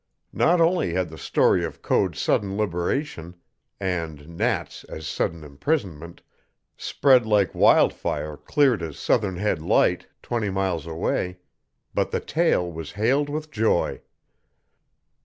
Not only had the story of Code's sudden liberation and Nat's as sudden imprisonment spread like wild fire clear to Southern Head Light, twenty miles away, but the tale was hailed with joy.